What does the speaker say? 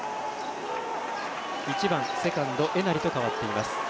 １番、セカンド、江成と代わっています。